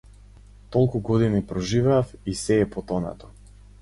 Толку години проживеав, и сѐ е потонато.